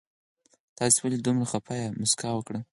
تاسو ولې دومره خفه يي مسکا وکړئ